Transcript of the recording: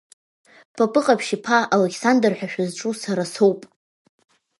Папыҟаԥшь иԥа Алықьсандр ҳәа шәызҿу сара соуп!